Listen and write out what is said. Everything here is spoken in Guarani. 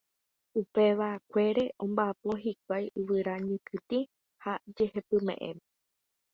Upevakuére omba'apo hikuái yvyra ñekytĩ ha jehepyme'ẽme.